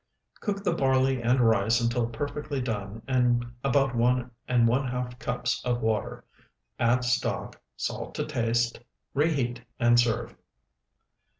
Cook the barley and rice until perfectly done in about one and one half cups of water; add stock, salt to taste, reheat, and serve.